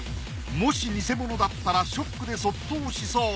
もし偽物だったらショックで卒倒しそう。